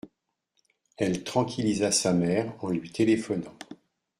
Elle tranquillisa sa mère en lui téléphonant.